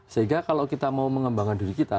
sehingga kalau kita mau mengembangkan diri kita